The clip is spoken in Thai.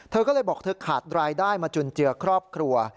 เธอก็เลยบอกเธอขาดรายได้มาจุนเจือครอบครัว